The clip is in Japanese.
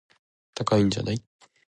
高いんじゃない